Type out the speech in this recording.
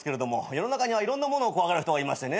世の中にはいろんなものを怖がる人がいましてね。